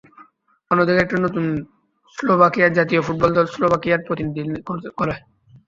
অন্যদিকে, একটি নতুন দল স্লোভাকিয়া জাতীয় ফুটবল দল স্লোভাকিয়ার প্রতিনিধিত্ব করে।